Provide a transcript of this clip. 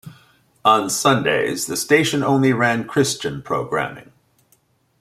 On Sundays, the station only ran Christian programming.